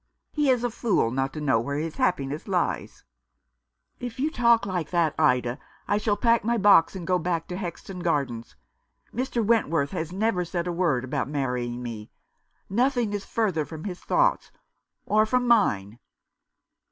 He is a fool not to know where his happiness lies." 325 Rough Justice. "If you talk like that, Ida, I shall pack my box, and go back to Hexton Gardens. Mr. Went worth has never said a word about marrying me. Nothing is further from his thoughts — or from mine."